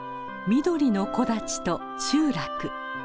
緑の木立と集落。